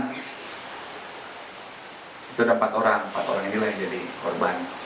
di situ ada empat orang empat orang ini lah yang jadi korban